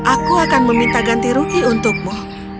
aku akan meminta ganti rugi untukmu